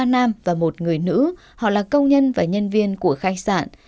ba nam và một người nữ họ là công nhân và nhân viên của khách sạn